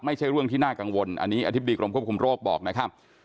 ไม่ใช่เรื่องที่น่ากังวลอันนี้อธิบดีกรมควบคุมโรคบอกนะครับ